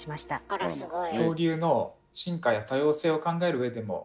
あらすごい。